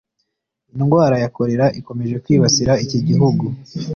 Indwara ya Cholera ikomeje kwibasira iki gihugu